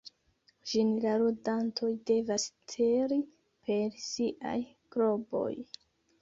Ĝin la ludantoj devas celi per siaj globoj.